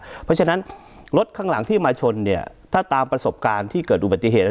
เพราะฉะนั้นรถข้างหลังที่มาชนเนี่ยถ้าตามประสบการณ์ที่เกิดอุบัติเหตุ